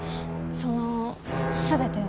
その全てを。